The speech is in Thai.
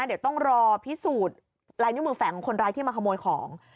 เดี๋ยวต้องรอพิสูจน์ลายนิ้วมือแฝงของคนร้ายที่มาขโมยของ